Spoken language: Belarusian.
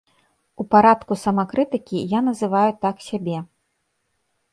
У парадку самакрытыкі я называю так сябе.